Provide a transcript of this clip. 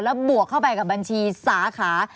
แล้วบวกเข้าไปกับบัญชีสาขา